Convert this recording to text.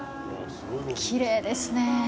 きれいですね。